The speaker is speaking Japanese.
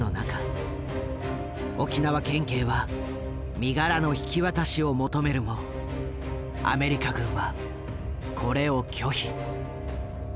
沖縄県警は身柄の引き渡しを求めるもアメリカ軍はこれを拒否。